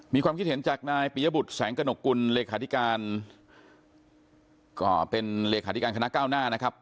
มีความคิดเห็นจากนายปียบุตรแสงกระหนกกุลเลขาธิการก็เป็นเลขาธิการคณะก้าวหน้านะครับ